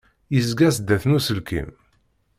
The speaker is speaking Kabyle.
Yezga sdat n uselkim.